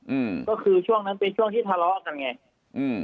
อืมก็คือช่วงนั้นเป็นช่วงที่ทะเลาะกันไงอืม